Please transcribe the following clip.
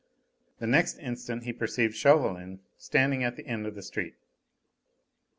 The next instant he perceived Chauvelin standing at the end of the street.